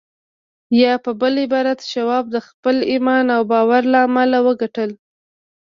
يا په بل عبارت شواب د خپل ايمان او باور له امله وګټل.